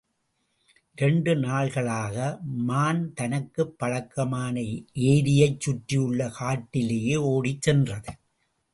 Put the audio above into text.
இரண்டு நாள்களாக மான் தனக்குப் பழக்கமான ஏரியைச் சுற்றியுள்ள காட்டிலேயே ஓடிச் சென்றது.